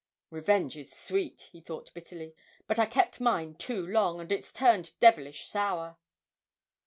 'Revenge is sweet,' he thought bitterly, 'but I kept mine too long, and it's turned devilish sour!'